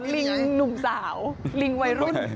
ลิงหนุ่มสาวลิงวัยรุ่น